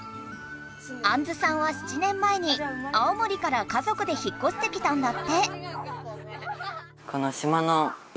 あんずさんは７年前に青森から家族で引っこしてきたんだって。